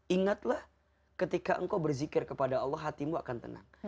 ingatlah ketika engkau berzikir kepada allah hatimu akan tenang